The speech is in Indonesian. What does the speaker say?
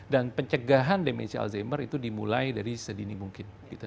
dan pencegahan demensi alzheimer itu dimulai dari sedini mungkin